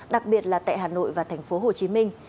đặc biệt là tại hà nội và thành phố hồ chí minh